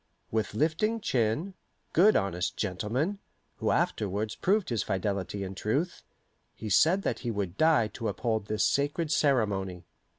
With lifting chin good honest gentleman, who afterwards proved his fidelity and truth he said that he would die to uphold this sacred ceremony.